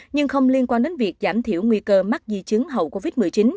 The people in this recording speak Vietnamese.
nhưng không liên quan đến việc giảm thiểu nguy cơ mắc di chứng hậu covid một mươi chín